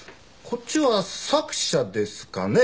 こっちは作者ですかね。